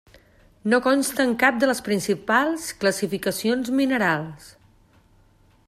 No consta en cap de les principals classificacions minerals.